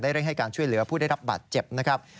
เร่งให้การช่วยเหลือผู้ได้รับบาดเจ็บนะครับ